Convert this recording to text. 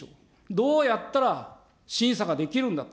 どうやったら審査ができるんだと。